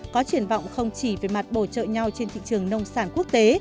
có triển vọng không chỉ về mặt bổ trợ nhau trên thị trường nông sản quốc tế